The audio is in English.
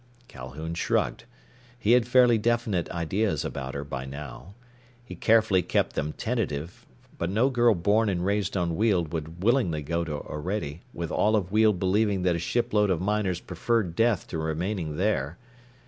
Calhoun shrugged. He had fairly definite ideas about her, by now. He carefully kept them tentative, but no girl born and raised on Weald would willingly go to Orede, with all of Weald believing that a shipload of miners preferred death to remaining there.